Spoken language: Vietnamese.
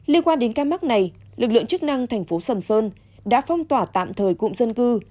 liên quan đến ca mắc này lực lượng chức năng thành phố sầm sơn đã phong tỏa tạm thời cụm dân cư